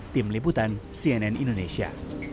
tim liputan cnn indonesia